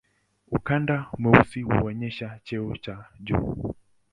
Ukanda mweusi huonyesha cheo cha juu.